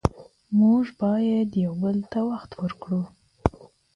موږ باید یو بل ته وخت ورکړو